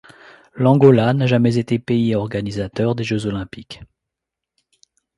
L'Angola n'a jamais été pays organisateur des Jeux olympiques.